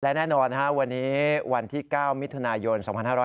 และแน่นอนวันนี้วันที่๙มิถุนายน๒๕๖๐